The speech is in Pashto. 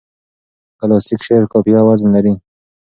کلاسیک شعر قافیه او وزن لري.